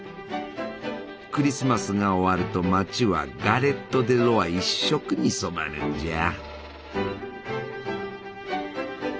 クリスマスが終わると町はガレット・デ・ロワ一色に染まるんじゃ。